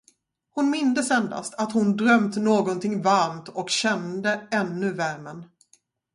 Hon mindes endast, att hon drömt någonting varmt och kände ännu värmen.